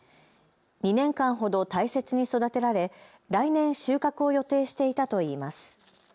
２年間ほど大切に育てられ来年、収穫を予定していたといいます。